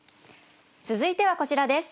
続いてはこちらです。